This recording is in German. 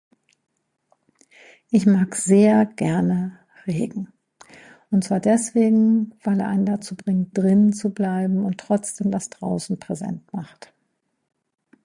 Ich mag sehr gerne Regen und zwar deswegen weil er einen dazu bringt drinnen zu bleiben und trotzdem was draußen präsent macht.